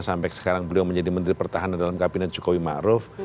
sampai sekarang beliau menjadi menteri pertahanan dalam kabinet jokowi ma'ruf